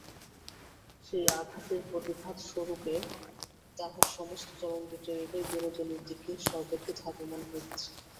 সেই আঘাতের প্রতিঘাত স্বরূপে তাহার সমস্ত তরঙ্গিত হৃদয় বিনোদিনীর দিকে সবেগে ধাবমান হইতেছিল।